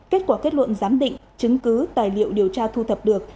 kết quả kết luận giám định chứng cứ tài liệu điều tra thu thập được